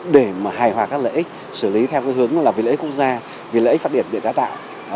để mà hài hòa các lợi ích xử lý theo cái hướng là vì lợi ích quốc gia vì lợi ích phát điện để tái tạo